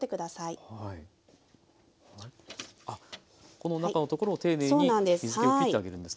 この中のところを丁寧に水けを拭いてあげるんですね。